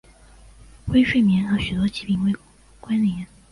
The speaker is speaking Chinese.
微睡眠和许多疾病关联。